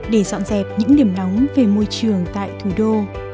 để dọn dẹp những điểm nóng về môi trường tại thủ đô